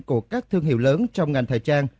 của các thương hiệu lớn trong ngành thời trang